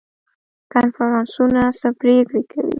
کنفرانسونه څه پریکړې کوي؟